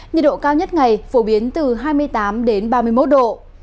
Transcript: nhiệt độ cao nhất ngày phổ biến từ hai mươi tám ba mươi một độ